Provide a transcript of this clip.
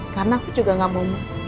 karena aku juga gak mau